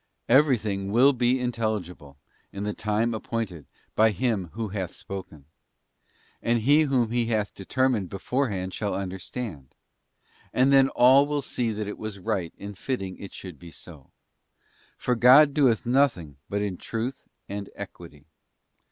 Everything will be intelligible in the time appointed by Him who hath spoken, and he whom He hath determined beforehand shall understand: and then all will see that it was right and fitting it should be so: for God doeth nothing but in truth and equity.